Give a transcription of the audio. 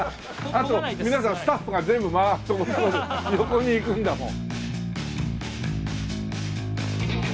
あと皆さんスタッフが全部ワーッと横に行くんだもん。